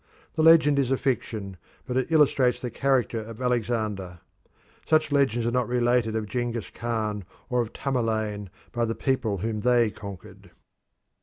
The legend is a fiction, but it illustrates the character of Alexander. Such legends are not related of Genghis Khan or of Tamerlane by the people whom they conquered.